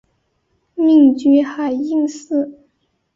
命居海印寺。